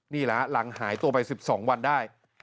นี่แหละหลังหายตัวไป๑๒วันได้